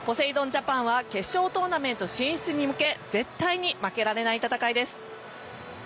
ジャパンは決勝トーナメント進出へ向け絶対に負けられない戦いです。